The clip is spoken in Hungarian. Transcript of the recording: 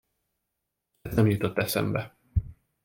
Ez nem jutott eszembe.